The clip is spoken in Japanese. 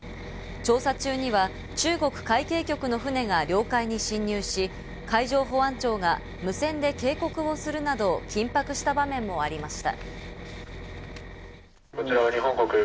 調査中には中国海警局の船が領海に侵入し、海上保安庁が無線で警告をするなど緊迫した場面もありました。